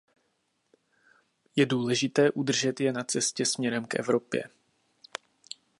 Je důležité udržet je na cestě směrem k Evropě.